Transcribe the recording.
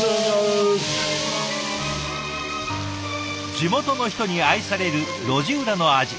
地元の人に愛される路地裏の味